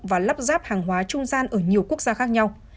và lắp ráp hàng hóa trung gian ở nhiều quốc gia khác nhau